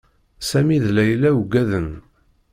Sami d Layla uggaden.